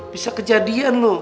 bisa kejadian loh